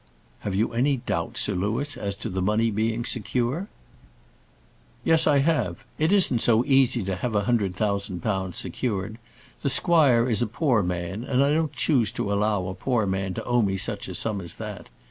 "Have you any doubt, Sir Louis, as to the money being secure?" "Yes, I have. It isn't so easy to have a hundred thousand pounds secured. The squire is a poor man, and I don't choose to allow a poor man to owe me such a sum as that.